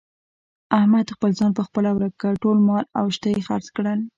احمد خپل ځان په خپله ورک کړ. ټول مال او شته یې خرڅ کړل.